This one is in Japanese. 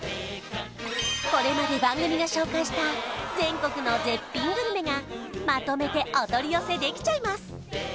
これまで番組が紹介した全国の絶品グルメがまとめてお取り寄せできちゃいます